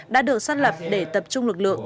đã được xác lập để tập trung lực lượng